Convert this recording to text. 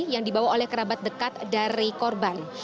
yang dibawa oleh kerabat dekat dari korban